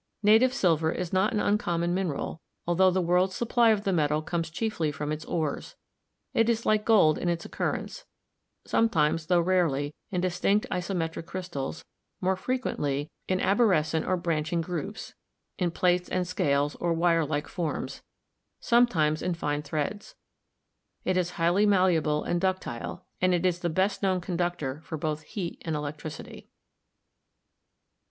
Native Silver is not an uncom mon mineral, altho the world's supply of the metal comes chiefly from its ores. It is like gold in its occurrence, sometimes, tho rarely, in distinct isometric crystals, more frequently in arborescent or branching groups, in plates and scales or wirelike forms; sometimes in fine threads. It is highly malleable and ductile, and is the best known conductor for both heat and electricity.